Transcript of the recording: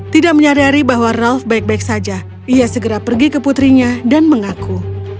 tidak menyadari bahwa ralf baik baik saja ia segera pergi ke putrinya dan mengaku